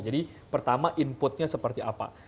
jadi pertama inputnya seperti apa